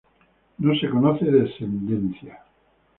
No se conoce descendencia.